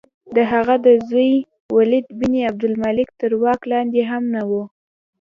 د هغه د زوی ولید بن عبدالملک تر واک لاندې هم نه وه.